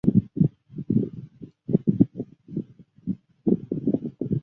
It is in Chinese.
个人冠军需于三轮准决赛及三轮决赛中得到最好的成绩。